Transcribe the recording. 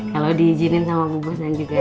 kalau diizinin sama bu bosan juga